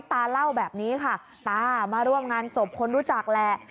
ตาเล่าแบบนี้ค่ะตามาร่วมงานศพคนรู้จักแหละ